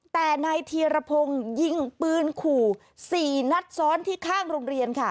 แต่นายธีรพงศ์ยิงปืนขู่๔นัดซ้อนที่ข้างโรงเรียนค่ะ